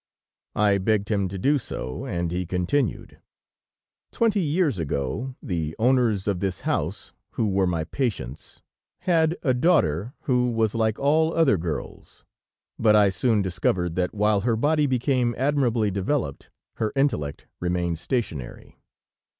[Footnote 8: A Nothing. TRANSLATOR.] I begged him to do so, and he continued: "Twenty years ago, the owners of this house, who were my patients, had a daughter who was like all other girls, but I soon discovered that while her body became admirably developed, her intellect remained stationary.